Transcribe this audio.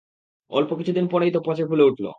অল্প কিছুদিন পরই তা পঁচে ফুলে উঠল।